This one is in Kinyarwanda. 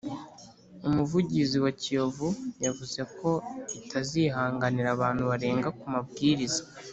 umuvugizi wa kiyovu yavuze ko itazihanganira abantu barenga ku mabwiriza